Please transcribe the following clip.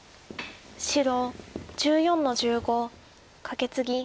白１４の十五カケツギ。